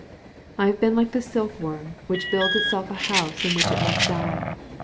I have been like the silkworm, which builds itself a house in which it must die.